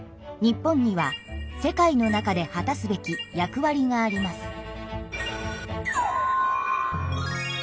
日本には世界の中で果たすべき役わりがあります。